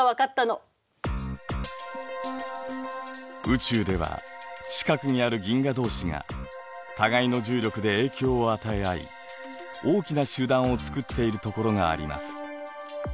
宇宙では近くにある銀河同士が互いの重力で影響を与え合い大きな集団を作っているところがあります。